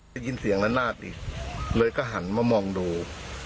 ได้ยินเสียงละนาดอีกเลยก็หันมามองดู